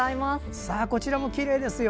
こちらもきれいですよ。